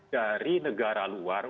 dari negara luar